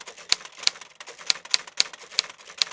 อัลฟิร์นสุดท้าย